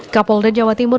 kapolda jawa timur